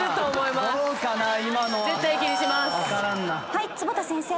はい坪田先生。